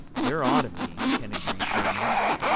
"There ought to be," Ken agreed grimly.